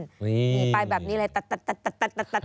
นี่ไปแบบนี้เลยตัดตัดตัดตัดตัด